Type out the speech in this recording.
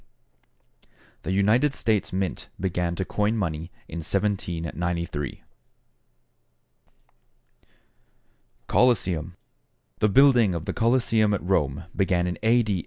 The United States mint began to coin money in 1793. =Colosseum.= The building of the Colosseum at Rome began in A. D.